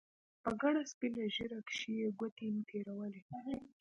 په گڼه سپينه ږيره کښې يې گوتې تېرولې.